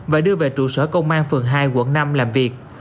và đưa về trụ sở công an phường hai quận năm làm việc